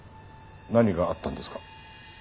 何があったんですか？